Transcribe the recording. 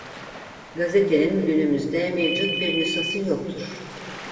Gazetenin günümüzde mevcut bir nüshası yoktur.